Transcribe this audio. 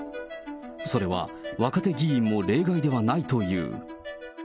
それは、若手議員も例外ではないという。